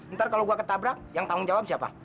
ntar kalau gue ketabrak yang tanggung jawab siapa